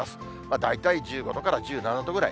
大体１５度から１７度ぐらい。